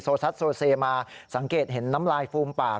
ซัสโซเซมาสังเกตเห็นน้ำลายฟูมปาก